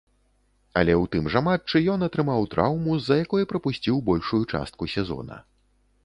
Але ў тым жа матчы ён атрымаў траўму, з-за якой прапусціў большую частку сезона.